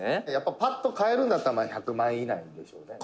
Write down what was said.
「パッと買えるんだったら１００万円以内でしょうね」